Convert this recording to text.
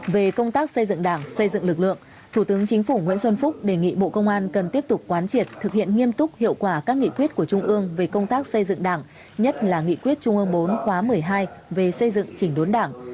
về công tác xây dựng đảng xây dựng lực lượng thủ tướng chính phủ nguyễn xuân phúc đề nghị bộ công an cần tiếp tục quán triệt thực hiện nghiêm túc hiệu quả các nghị quyết của trung ương về công tác xây dựng đảng nhất là nghị quyết trung ương bốn khóa một mươi hai về xây dựng chỉnh đốn đảng